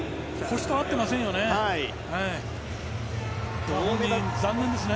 腰と合っていませんよね。